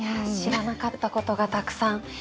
知らなかったことがたくさん。